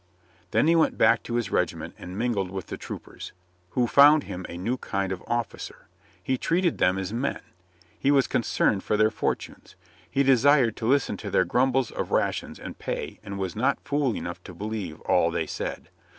Then he went back to his regiment and mingled with the troopers, who found him a new kind of 154 COLONEL GREATHEART officer. He treated them as men. He was concerned for their fortunes. He desired to listen to their grumbles of rations and pay and was not fool enough to believe all they said.